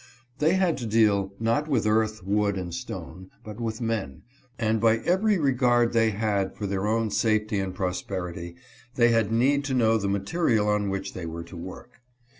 They had to deal not with earth, wood, and stone, but with men ; and by every regard they had for their own safety and pros perity they had need to know the material on which they were to work.